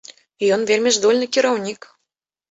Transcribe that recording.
Ён вельмі здольны кіраўнік.